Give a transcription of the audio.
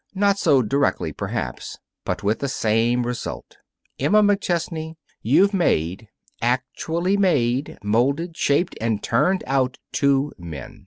Not so directly, perhaps, but with the same result. Emma McChesney, you've made actually made, molded, shaped, and turned out two men.